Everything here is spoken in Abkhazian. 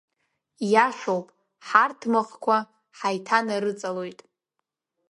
Иашоуп, ҳарҭмаҟқәа ҳаиҭанарыҵалоит…